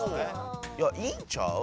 いやいいんちゃう？